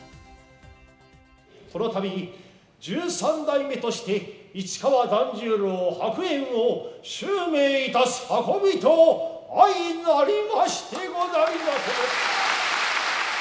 この度十三代目として市川團十郎白猿を襲名いたす運びと相成りましてござりまする。